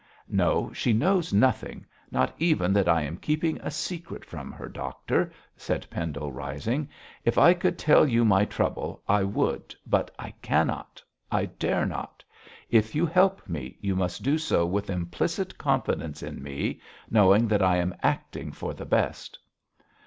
'No, she knows nothing not even that I am keeping a secret from her; doctor,' said Pendle, rising, 'if I could tell you my trouble I would, but I cannot; I dare not! If you help me, you must do so with implicit confidence in me, knowing that I am acting for the best.'